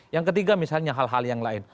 yang ketiga misalnya hal hal yang lain